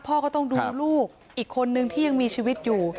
พ่อก็ต้องดูลูกอีกคนนึงที่ยังมีชีวิตอยู่